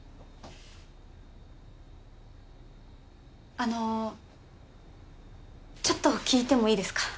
あのちょっと聞いてもいいですか？